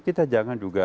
kita jangan juga